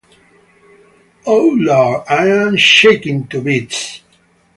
Oh, Lord, I am shaken to bits!